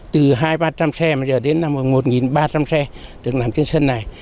từ hai ba trăm linh xe mà giờ đến một ba trăm linh xe được nằm trên sân này